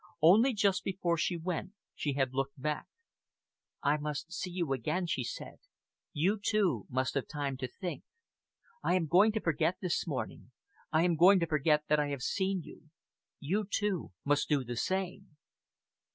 Only just before she went she had looked back. "I must see you again," she said. "You, too, must have time to think. I am going to forget this morning, I am going to forget that I have seen you. You, too, must do the same!"